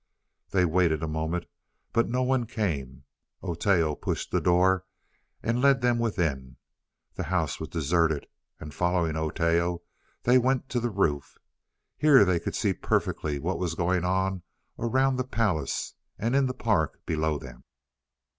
They waited a moment, but no one came. Oteo pushed the door and led them within. The house was deserted, and following Oteo, they went to the roof. Here they could see perfectly what was going on around the palace, and in the park below them.